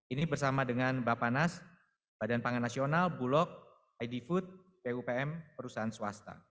ini bersama dengan bapanas badan pangan nasional bulog idfood pupm perusahaan swasta